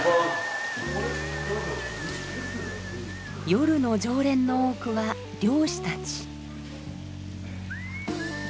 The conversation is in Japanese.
夜の常連の多くは漁師たち。